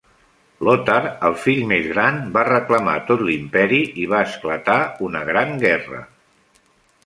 Lothar, el fill més gran, va reclamar tot l'imperi i va esclatar una gran guerra.